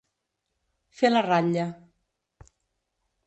Fer la ratlla.